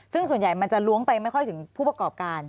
ซึ่งส่วนใหญ่มันจะล้วงไปไม่ค่อยถึงผู้ประกอบการ